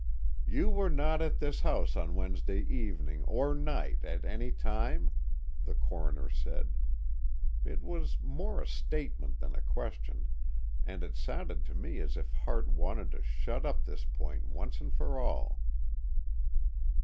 "You were not at this house on Wednesday evening or night at any time?" the Coroner said. It was more a statement than a question, and it sounded to me as if Hart wanted to shut up this point once and for all.